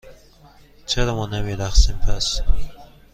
چرا ما نمی رقصیم، پس؟